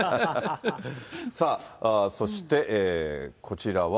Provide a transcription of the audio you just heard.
さあ、そしてこちらは。